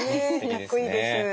かっこいいです。